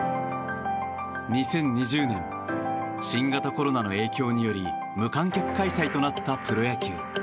２０２０年新型コロナの影響により無観客開催となったプロ野球。